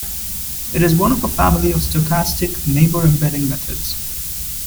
It is one of a family of stochastic neighbor embedding methods.